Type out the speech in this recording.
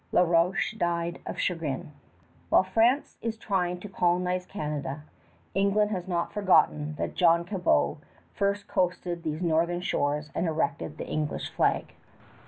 La Roche died of chagrin. While France is trying to colonize Canada, England has not forgotten that John Cabot first coasted these northern shores and erected the English flag.